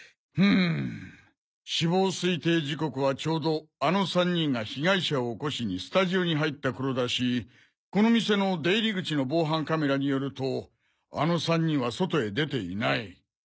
フム死亡推定時刻はちょうどあの３人が被害者を起こしにスタジオに入った頃だしこの店の出入口の防犯カメラによるとあの３人は外へ出ていない。